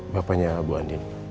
bapaknya bu andin